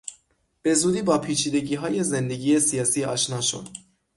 به زودی با پیچیدگیهای زندگی سیاسی آشنا شد.